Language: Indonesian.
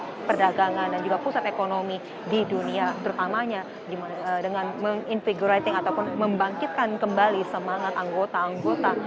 jadi perdagangan dan juga pusat ekonomi di dunia terutamanya denganglioating atau membangkitkan kembali semangat anggota anggota